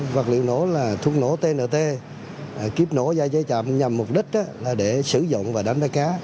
vật liệu nổ là thuốc nổ tnt kiếp nổ dây chạy chậm nhằm mục đích là để sử dụng và đánh bắt cá